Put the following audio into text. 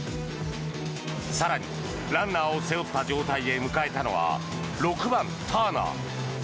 更にランナーを背負った状態で迎えたのは６番、ターナー。